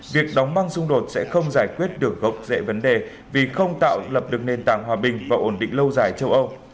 việc đóng băng xung đột sẽ không giải quyết được gốc rễ vấn đề vì không tạo lập được nền tảng hòa bình và ổn định lâu dài châu âu